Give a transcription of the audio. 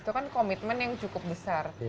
itu kan komitmen yang cukup besar